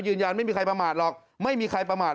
ยืนยันไม่มีใครประมาทหรอกไม่มีใครประมาท